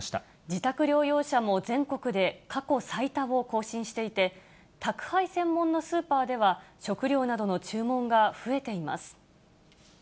自宅療養者も全国で過去最多を更新していて、宅配専門のスーパーでは、食料などの注文が増えています。